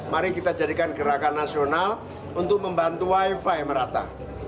mari kita jadikan gerakan nasional untuk membantu wifi merata